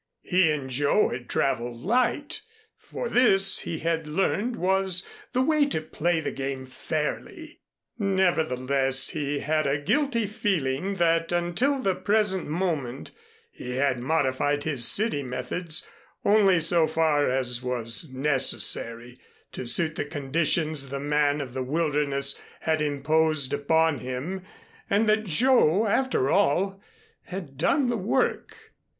He and Joe had traveled light; for this, he had learned, was the way to play the game fairly. Nevertheless, he had a guilty feeling that until the present moment he had modified his city methods only so far as was necessary to suit the conditions the man of the wilderness had imposed upon him and that Joe, after all, had done the work.